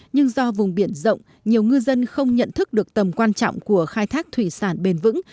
nhưng do vùng biển rộng nhiều ngư dân không nhận thức được tầm quan trọng của khai thác thủy sản bền vững